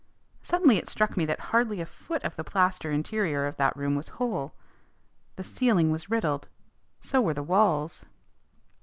Suddenly it struck me that hardly a foot of the plaster interior of that room was whole. The ceiling was riddled. So were the walls.